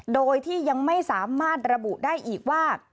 โดยที่ยังไม่สามารถระบุได้อีกว่า